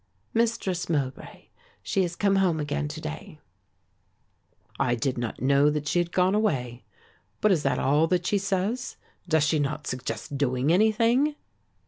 "Mistress Mowbray, she has come home again to day." "I did not know that she had gone away, but is that all that she says; does she not suggest doing anything?"